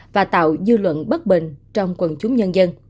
và tạo dư luận bất bình trong quần chúng nhân dân